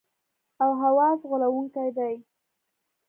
او حواس غولونکي دي.